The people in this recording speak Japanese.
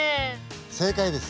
正解です！